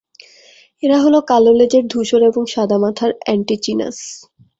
এরা হলো কালো লেজের ধূসর এবং সাদা মাথার অ্যান্টিচিনাস।